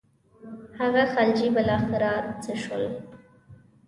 هغه خلجي بالاخره څه شول.